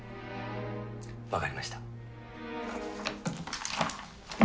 分かりました。